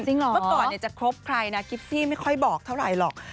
เมื่อก่อนจะครบใครนะกิฟซี่ไม่ค่อยบอกเท่าไหร่หรอก